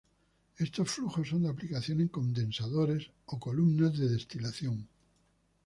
Estos flujos son de aplicación en condensadores o columnas de destilación.